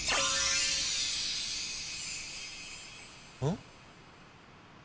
ん？